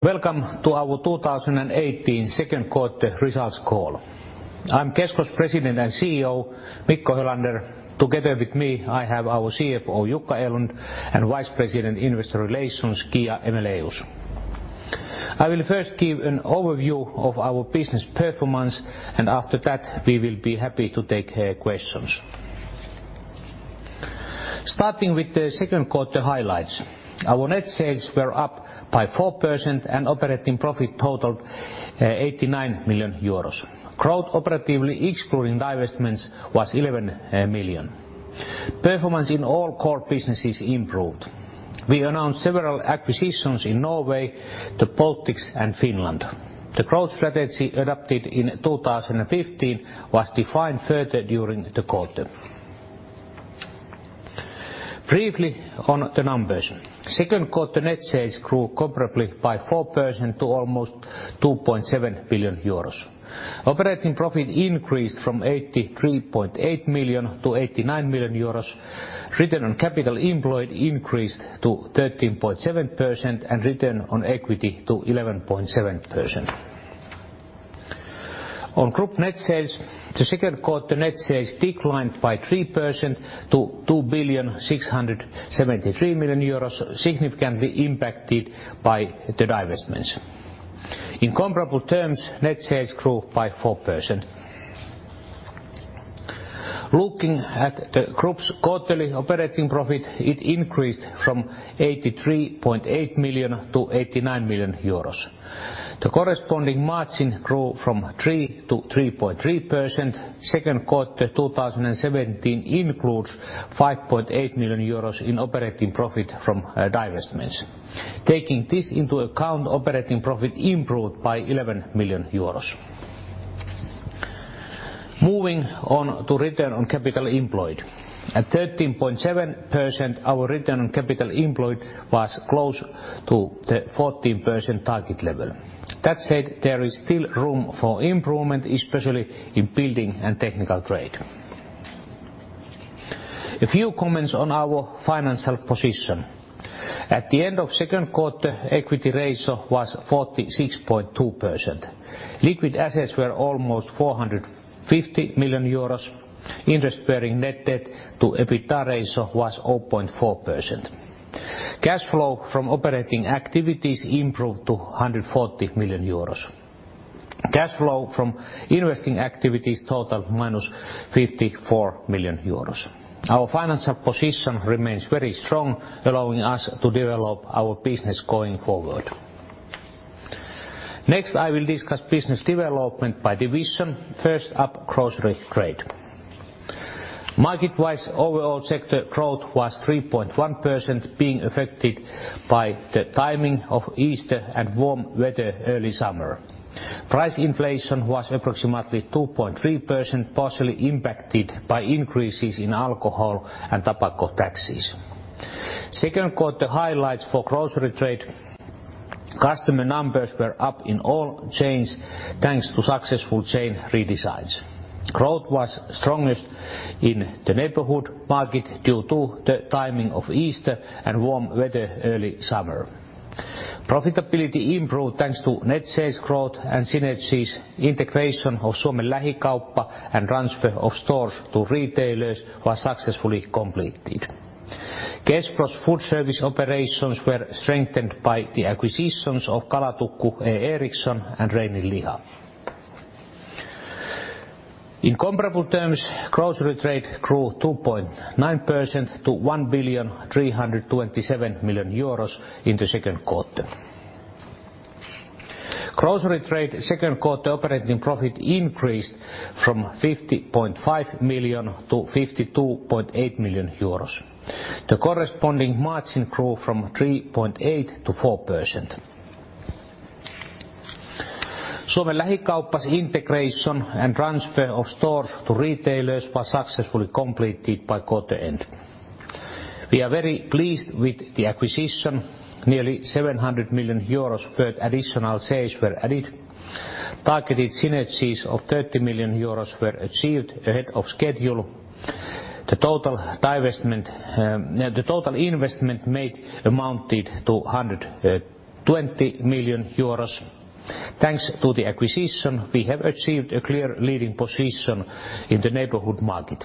Welcome to our 2018 second quarter results call. I'm Kesko's President and CEO, Mikko Helander. Together with me, I have our CFO, Jukka Erlund, and Vice President, Investor Relations, Kia Aejmelaeus. I will first give an overview of our business performance, and after that, we will be happy to take questions. Starting with the second quarter highlights. Our net sales were up by 4% and operating profit totaled 89 million euros. Growth operatively, excluding divestments, was 11 million. Performance in all core businesses improved. We announced several acquisitions in Norway, the Baltics, and Finland. The growth strategy adopted in 2015 was defined further during the quarter. Briefly on the numbers. Second quarter net sales grew comparably by 4% to almost 2.7 billion euros. Operating profit increased from 83.8 million to 89 million euros. Return on capital employed increased to 13.7%, and return on equity to 11.7%. On group net sales, the second quarter net sales declined by 3% to 2,673 million euros, significantly impacted by the divestments. In comparable terms, net sales grew by 4%. Looking at the group's quarterly operating profit, it increased from 83.8 million to 89 million euros. The corresponding margin grew from 3% to 3.3%. Second quarter 2017 includes 5.8 million euros in operating profit from divestments. Taking this into account, operating profit improved by 11 million euros. Moving on to return on capital employed. At 13.7%, our return on capital employed was close to the 14% target level. That said, there is still room for improvement, especially in building and technical trade. A few comments on our financial position. At the end of second quarter, equity ratio was 46.2%. Liquid assets were almost 450 million euros. Interest-bearing net debt to EBITDA ratio was 0.4%. Cash flow from operating activities improved to 140 million euros. Cash flow from investing activities totaled minus 54 million euros. Our financial position remains very strong, allowing us to develop our business going forward. Next, I will discuss business development by division. First up, grocery trade. Market-wise, overall sector growth was 3.1%, being affected by the timing of Easter and warm weather early summer. Price inflation was approximately 2.3%, partially impacted by increases in alcohol and tobacco taxes. Second quarter highlights for grocery trade: customer numbers were up in all chains thanks to successful chain redesigns. Growth was strongest in the neighborhood market due to the timing of Easter and warm weather early summer. Profitability improved thanks to net sales growth and synergies. Integration of Suomen Lähikauppa and transfer of stores to retailers was successfully completed. Kespro's food service operations were strengthened by the acquisitions of Kalatukku E. Eriksson and Reinin Liha. In comparable terms, grocery trade grew 2.9% to 1,327 million euros in the second quarter. Grocery trade second quarter operating profit increased from 50.5 million to 52.8 million euros. The corresponding margin grew from 3.8% to 4%. Suomen Lähikauppa's integration and transfer of stores to retailers was successfully completed by quarter end. We are very pleased with the acquisition. Nearly 700 million euros worth additional sales were added. Targeted synergies of 30 million euros were achieved ahead of schedule. The total investment made amounted to 120 million euros. Thanks to the acquisition, we have achieved a clear leading position in the neighborhood market.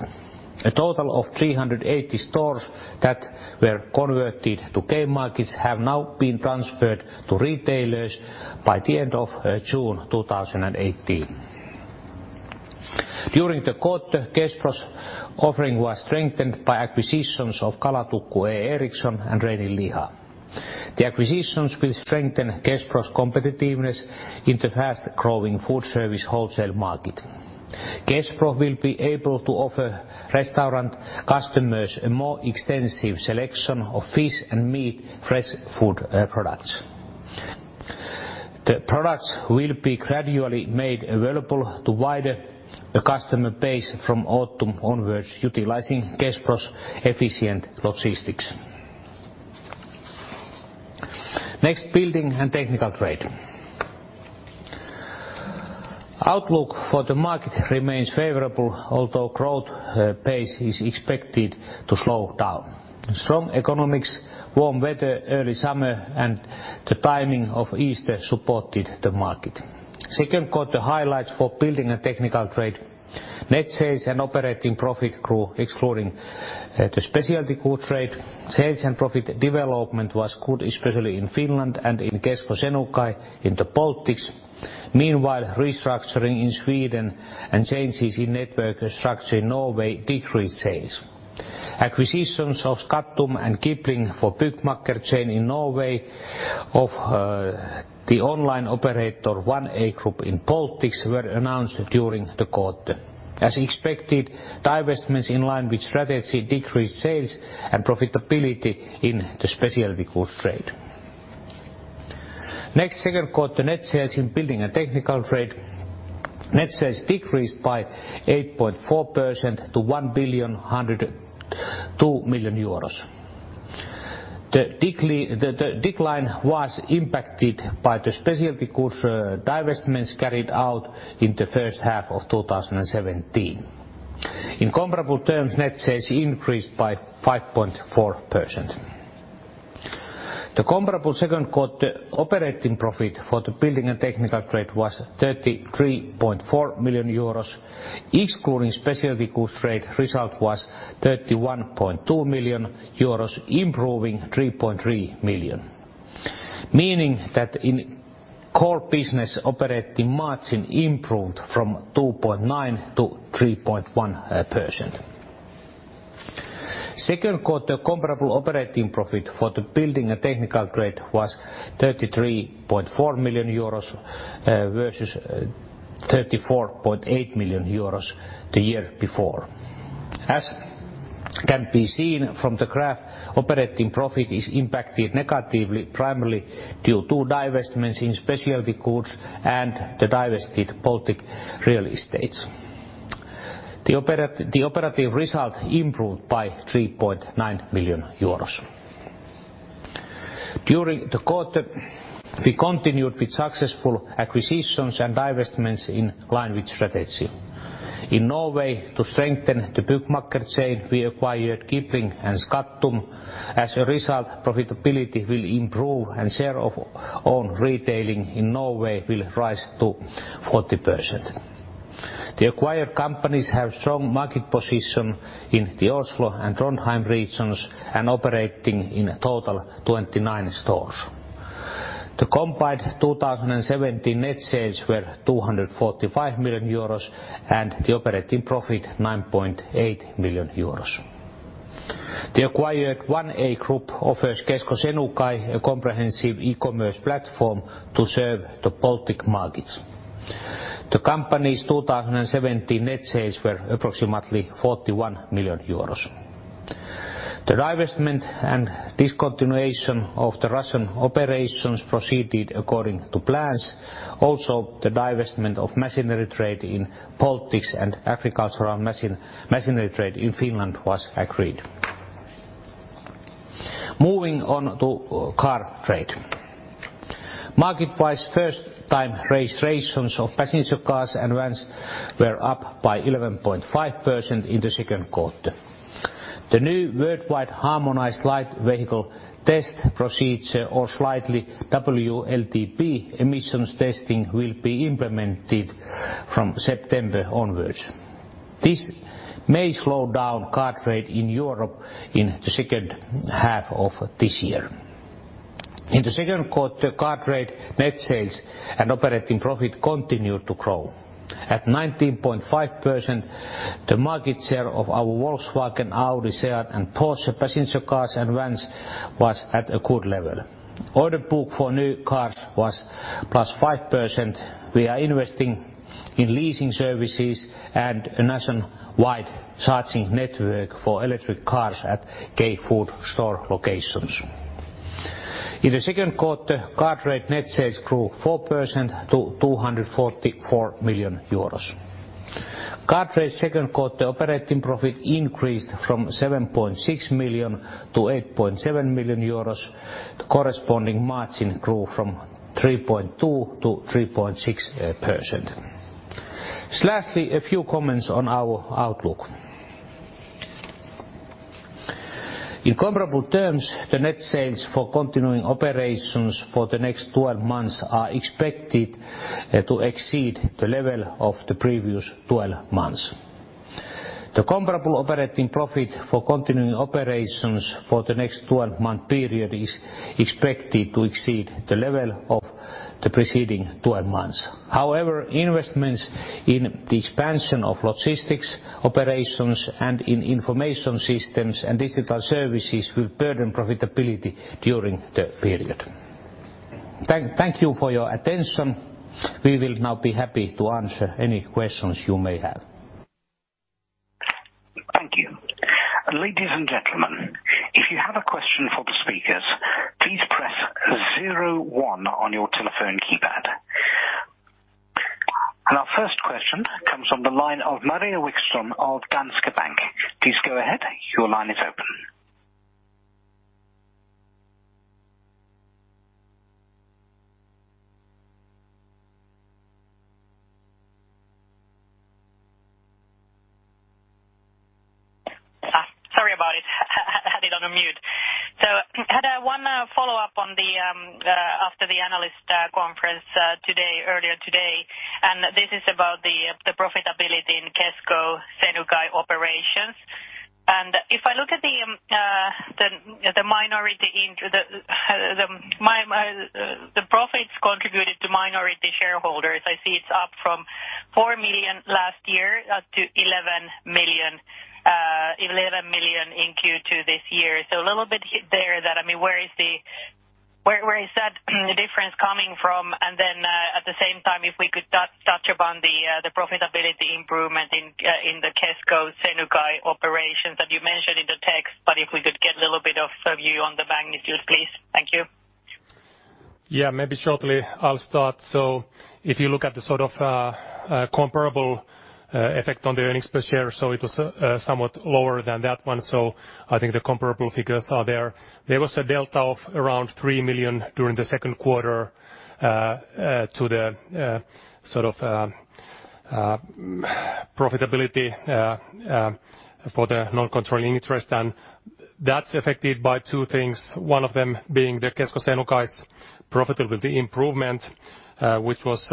A total of 380 stores that were converted to K-Markets have now been transferred to retailers by the end of June 2018. During the quarter, Kespro's offering was strengthened by acquisitions of Kalatukku E. Eriksson and Reinin Liha. The acquisitions will strengthen Kespro's competitiveness in the fast-growing food service wholesale market. Kespro will be able to offer restaurant customers a more extensive selection of fish and meat, fresh food products. The products will be gradually made available to wider customer base from autumn onwards, utilizing Kespro's efficient logistics. Building and technical trade. Outlook for the market remains favorable, although growth pace is expected to slow down. Strong economics, warm weather, early summer, and the timing of Easter supported the market. Second quarter highlights for building and technical trade. Net sales and operating profit grew, excluding the specialty goods trade. Sales and profit development was good, especially in Finland and in Kesko Senukai in the Baltics. Restructuring in Sweden and changes in network structure in Norway decreased sales. Acquisitions of Skattum Handel and Gipling for Byggmakker chain in Norway of the online operator 1A Group in Baltics were announced during the quarter. As expected, divestments in line with strategy decreased sales and profitability in the specialty goods trade. Second quarter net sales in building and technical trade. Net sales decreased by 8.4% to 1,102,000,000 euros. The decline was impacted by the specialty goods divestments carried out in the first half of 2017. In comparable terms, net sales increased by 5.4%. The comparable second quarter operating profit for the building and technical trade was 33.4 million euros, excluding specialty goods trade result was 31.2 million euros, improving 3.3 million. Meaning that in core business, operating margin improved from 2.9% to 3.1%. Second quarter comparable operating profit for the building and technical trade was 33.4 million euros versus 34.8 million euros the year before. As can be seen from the graph, operating profit is impacted negatively, primarily due to divestments in specialty goods and the divested Baltic real estate. The operative result improved by 3.9 million euros. During the quarter, we continued with successful acquisitions and divestments in line with strategy. In Norway, to strengthen the Byggmakker chain, we acquired Gipling and Skattum Handel. As a result, profitability will improve and share of own retailing in Norway will rise to 40%. The acquired companies have strong market position in the Oslo and Trondheim regions and operating in total 29 stores. The combined 2017 net sales were 245 million euros and the operating profit, 9.8 million euros. The acquired 1A Group offers Kesko Senukai a comprehensive e-commerce platform to serve the Baltic markets. The company's 2017 net sales were approximately 41 million euros. The divestment and discontinuation of the Russian operations proceeded according to plans. The divestment of machinery trade in Baltics and agricultural machinery trade in Finland was agreed. Moving on to car trade. Market-wise, first time registrations of passenger cars and vans were up by 11.5% in the second quarter. The new worldwide harmonized light vehicle test procedure or simply, WLTP, emissions testing will be implemented from September onwards. This may slow down car trade in Europe in the second half of this year. In the second quarter, car trade net sales and operating profit continued to grow. At 19.5%, the market share of our Volkswagen, Audi, SEAT, and Porsche passenger cars and vans was at a good level. Order book for new cars was +5%. We are investing in leasing services and a nationwide charging network for electric cars at K-Market locations. In the second quarter, car trade net sales grew 4% to 244 million euros. Car trade second quarter operating profit increased from 7.6 million to 8.7 million euros. The corresponding margin grew from 3.2% to 3.6%. Lastly, a few comments on our outlook. In comparable terms, the net sales for continuing operations for the next 12 months are expected to exceed the level of the previous 12 months. The comparable operating profit for continuing operations for the next 12-month period is expected to exceed the level of the preceding 12 months. However, investments in the expansion of logistics operations and in information systems and digital services will burden profitability during the period. Thank you for your attention. We will now be happy to answer any questions you may have. Thank you. Ladies and gentlemen, if you have a question for the speakers, please press 01 on your telephone keypad. Our first question comes from the line of Maria Wikström of Danske Bank. Please go ahead. Your line is open. Sorry about it. Had it on a mute. Had one follow-up after the analyst conference earlier today, this is about the profitability in Kesko Senukai operations. If I look at the profits contributed to minority shareholders, I see it's up from 4 million last year up to 11 million in Q2 this year. A little bit there, where is that difference coming from? Then, at the same time, if we could touch upon the profitability improvement in the Kesko Senukai operations that you mentioned in the text, but if we could get a little bit of a view on the magnitude, please. Thank you. Yeah. Maybe shortly I'll start. If you look at the comparable effect on the earnings per share, it was somewhat lower than that one. I think the comparable figures are there. There was a delta of around 3 million during the second quarter to the profitability for the non-controlling interest, that's affected by two things. One of them being the Kesko Senukai's profitability improvement, which was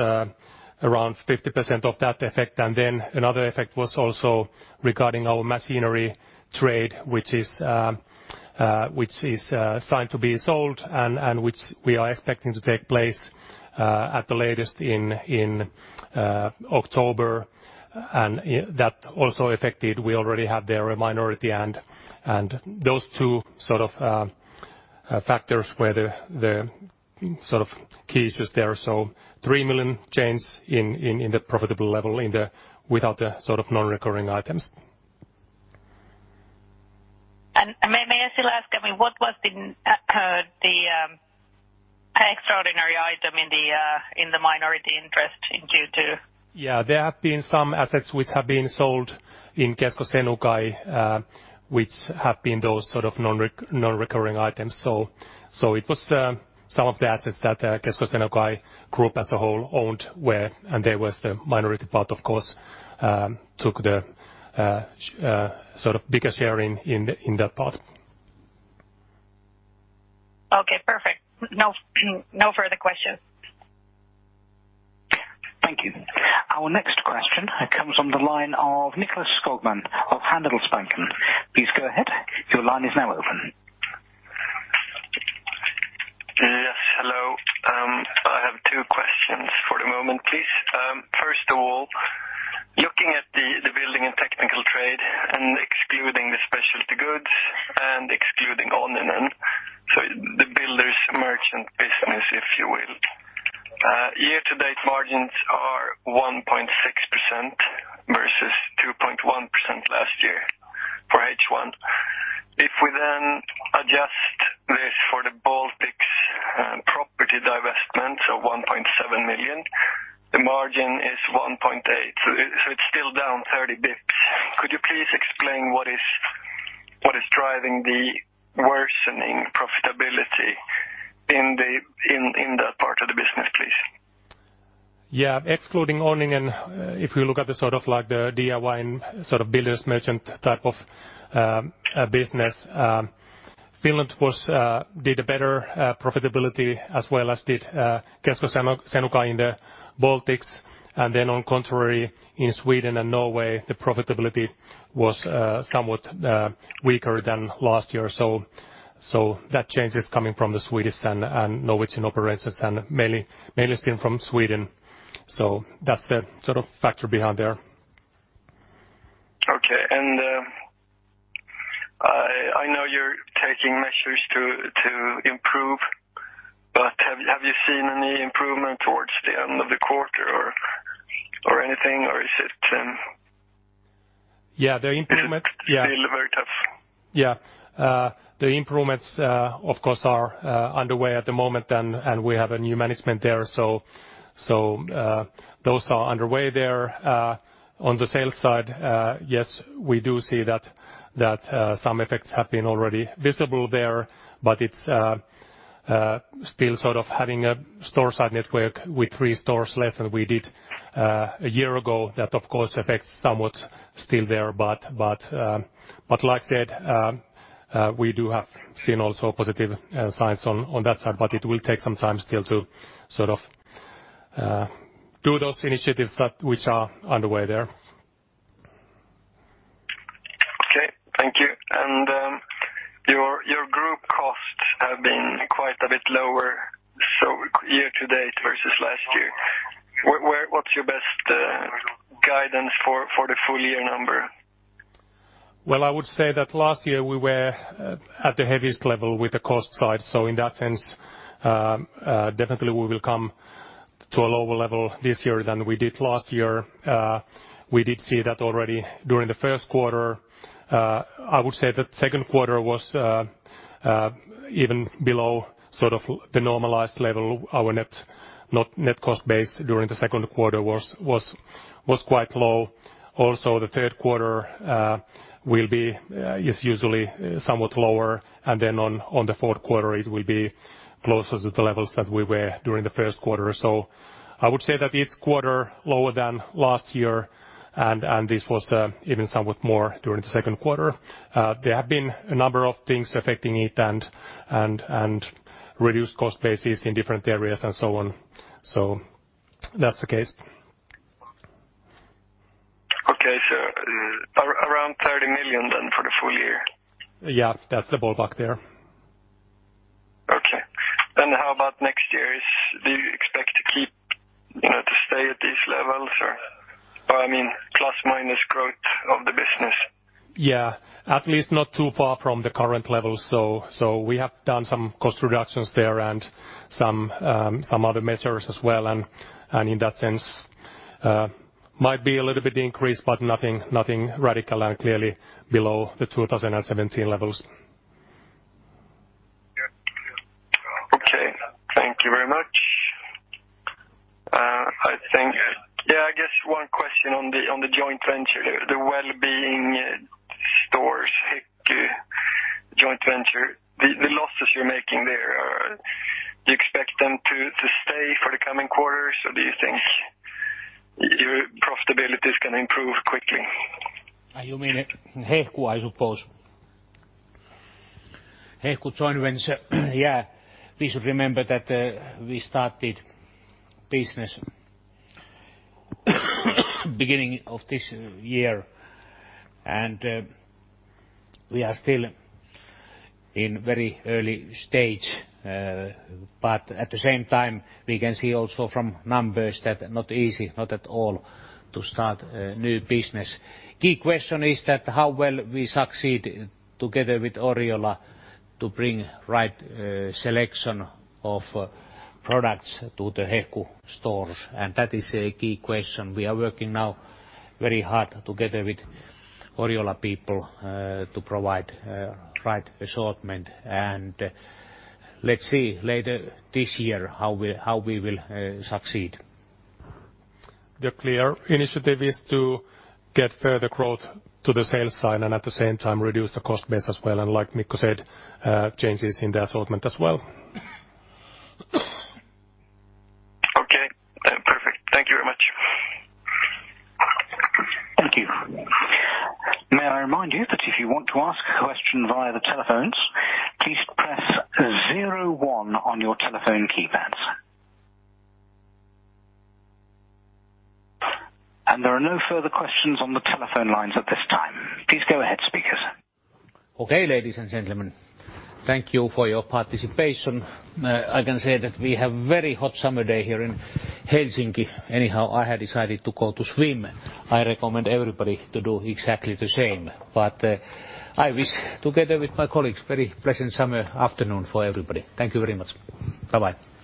around 50% of that effect. Another effect was also regarding our machinery trade, which is signed to be sold and which we are expecting to take place at the latest in October. That also affected. We already have there a minority, and those two factors were the keys there. 3 million change in the profitable level without the non-recurring items. May I still ask what was the extraordinary item in the minority interest in Q2? There have been some assets which have been sold in Kesko Senukai, which have been those sort of non-recurring items. It was some of the assets that Kesko Senukai group as a whole owned, and there was the minority part, of course, took the bigger share in that part. Perfect. No further questions. Thank you. Our next question comes on the line of Niclas Skogman of Handelsbanken. Please go ahead. Your line is now open. Yes, hello. I have two questions for the moment, please. First of all, looking at the building and technical trade and excluding the specialty goods and excluding Onninen, so the builders merchant business, if you will. Year to date margins are 1.6% versus 2.1% last year for H1. If we adjust this for the Baltics property divestment, 1.7 million, the margin is 1.8%. It's still down 30 basis points. Could you please explain what is driving the worsening profitability in that part of the business, please? Excluding Onninen, if you look at the DIY and builders merchant type of business, Finland did a better profitability as well as did Kesko Senukai in the Baltics. On the contrary, in Sweden and Norway, the profitability was somewhat weaker than last year or so. That change is coming from the Swedish and Norwegian operations and mainly seen from Sweden. That's the factor behind there. Okay. I know you're taking measures to improve, but have you seen any improvement towards the end of the quarter or anything, or is it? Yeah. Still very tough? Yeah. The improvements, of course, are underway at the moment. We have a new management there. Those are underway there. On the sales side, yes, we do see that some effects have been already visible there, but it's still having a store side network with three stores less than we did a year ago. That of course affects somewhat still there. Like I said, we do have seen also positive signs on that side, but it will take some time still to do those initiatives which are underway there. Okay. Thank you. Your group costs have been quite a bit lower year to date versus last year. What's your best guidance for the full year number? Well, I would say that last year we were at the heaviest level with the cost side. In that sense, definitely we will come to a lower level this year than we did last year. We did see that already during the first quarter. I would say the second quarter was even below the normalized level. Our net cost base during the second quarter was quite low. The third quarter is usually somewhat lower, and then on the fourth quarter it will be closer to the levels that we were during the first quarter. I would say that each quarter lower than last year, and this was even somewhat more during the second quarter. There have been a number of things affecting it. Reduce cost bases in different areas and so on. That's the case. Okay. Around 30 million then for the full year? Yeah, that's the ballpark there. Okay. How about next year? Do you expect to stay at these levels? I mean, plus minus growth of the business? Yeah. At least not too far from the current levels. We have done some cost reductions there and some other measures as well and in that sense might be a little bit increase, but nothing radical and clearly below the 2017 levels. Okay. Thank you very much. I think, I guess one question on the joint venture, the wellbeing stores joint venture, the losses you're making there, do you expect them to stay for the coming quarters, or do you think your profitability is going to improve quickly? You mean Hehku, I suppose. Hehku joint venture. Yeah, we should remember that we started business beginning of this year. We are still in very early stage. At the same time, we can see also from numbers that not easy, not at all to start a new business. Key question is that how well we succeed together with Oriola to bring right selection of products to the Hehku stores. That is a key question. We are working now very hard together with Oriola people to provide right assortment. Let's see later this year how we will succeed. The clear initiative is to get further growth to the sales side and at the same time reduce the cost base as well. Like Mikko said, changes in the assortment as well. Okay, perfect. Thank you very much. Thank you. May I remind you that if you want to ask a question via the telephones, please press 01 on your telephone keypads. There are no further questions on the telephone lines at this time. Please go ahead, speakers. Okay, ladies and gentlemen, thank you for your participation. I can say that we have very hot summer day here in Helsinki. Anyhow, I had decided to go to swim. I recommend everybody to do exactly the same. I wish together with my colleagues, very pleasant summer afternoon for everybody. Thank you very much. Bye-bye